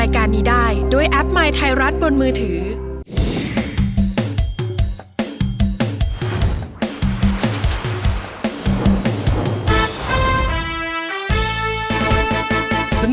คุณล่ะโหลดหรือยัง